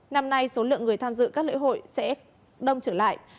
năm nay số lượng người tham dự các lễ hội sẽ đông trở lại